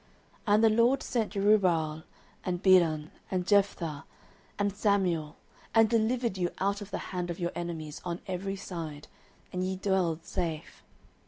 09:012:011 And the LORD sent Jerubbaal, and Bedan, and Jephthah, and Samuel, and delivered you out of the hand of your enemies on every side, and ye dwelled safe.